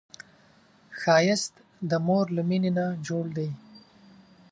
ښایست د مور له مینې نه جوړ دی